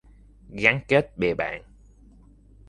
Gắn kết bè bạn